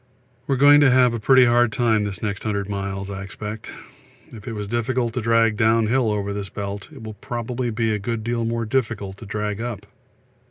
We are going to have a pretty hard time this next 100 miles I expect. If it was difficult to drag downhill over this belt, it will probably be a good deal more difficult to drag up.